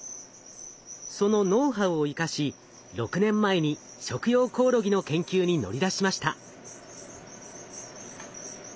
そのノウハウを生かし６年前に食用コオロギの研究に乗り出しました。